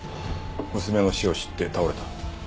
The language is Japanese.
娘の死を知って倒れた。